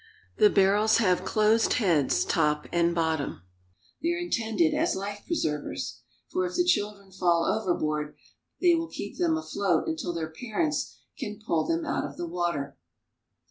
The barrels have closed heads, top and bottom. They are in tended as life preservers ; for if the children fall overboard, they will keep them afloat until their parents can pull them out of the water.